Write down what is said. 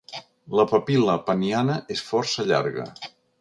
La papil·la peniana és força llarga.